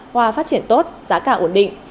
hoa phát triển tốt giá cả ổn định